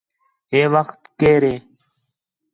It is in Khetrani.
ہے وخت کیئر ہِے